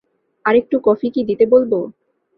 আরেকটু কফি কি দিতে বলব?